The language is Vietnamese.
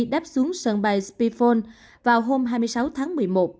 đắp xuống sân bay spiffold vào hôm hai mươi sáu tháng một mươi một